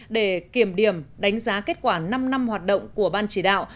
để kiểm điểm đánh giá kết quả năm năm hoạt động của ban chỉ đạo